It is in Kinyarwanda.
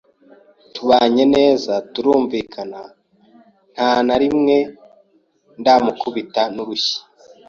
tubanye neza, turumvikana nta na rimwe ndamukubita n’urushyi,